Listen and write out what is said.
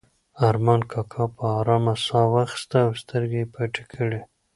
ارمان کاکا په ارامه ساه واخیسته او سترګې یې پټې کړې.